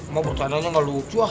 emak bertenangnya gak lucu ah